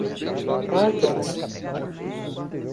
parquet